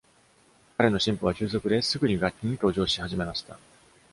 彼の進歩は急速で、すぐに楽器に登場し始めました。